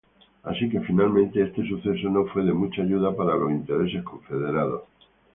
Así que finalmente este suceso no fue de mucha ayuda para los intereses confederados.